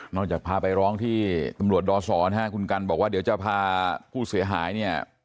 จากพาไปร้องที่ตำรวจดศนะฮะคุณกันบอกว่าเดี๋ยวจะพาผู้เสียหายเนี่ย